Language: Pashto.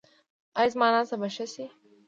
ایا زما ناسته به ښه شي؟